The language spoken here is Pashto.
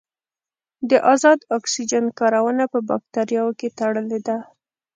د ازاد اکسیجن کارونه په باکتریاوو کې تړلې ده.